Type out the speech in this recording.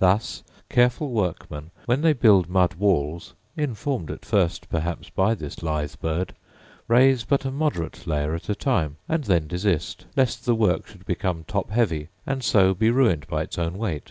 Thus careful workmen when they build mud walls (informed at first perhaps by this lithe bird) raise but a moderate layer at a time, and then desist; lest the work should become top heavy, and so be ruined by is own weight.